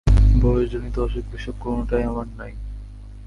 বয়সজনিত অসুখবিসুখ কোনোটাই আমার নেই।